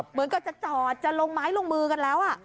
เหมือนกับจะจอดจะลงไม้ลงมือกันแล้ว